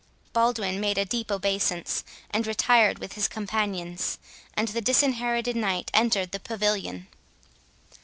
Baldwin made a deep obeisance, and retired with his companions; and the Disinherited Knight entered the pavilion.